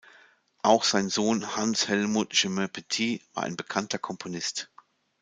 Auch sein Sohn Hans Helmuth Chemin-Petit war ein bekannter Komponist.